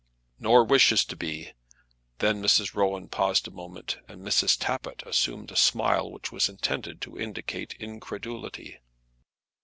"Nor wishes to be!" Then Mrs. Rowan paused a moment, and Mrs. Tappitt assumed a smile which was intended to indicate incredulity.